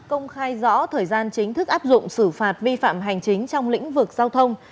công khai rõ thời gian chính thức áp dụng xử phạt vi phạm hành chính trong lĩnh vực giao thông